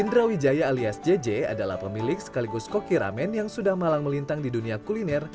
indra wijaya alias jj adalah pemilik sekaligus koki ramen yang sudah malang melintang di dunia kuliner